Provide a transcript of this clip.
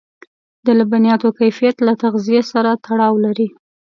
د لبنیاتو کیفیت له تغذيې سره تړاو لري.